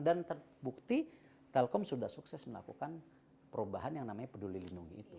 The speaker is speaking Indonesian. dan terbukti telkom sudah sukses melakukan perubahan yang namanya peduli lindungi